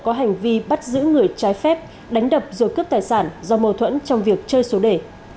có hành vi bắt giữ người trái phép đánh đập rồi cướp tài sản do mâu thuẫn trong việc chơi số đề